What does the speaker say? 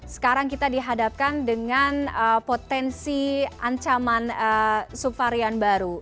sekarang kita dihadapkan dengan potensi ancaman subvarian baru